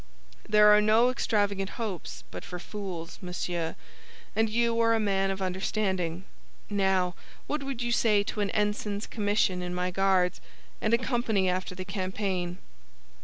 "There are no extravagant hopes but for fools, monsieur, and you are a man of understanding. Now, what would you say to an ensign's commission in my Guards, and a company after the campaign?"